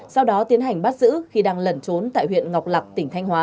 sau đó tiến hành bắt giữ khi đang lẩn trốn tại huyện ngọc lạc tỉnh thanh hóa